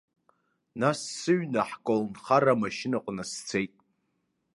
Нас сыҩны ҳколнхара амашьынаҟны сцеит.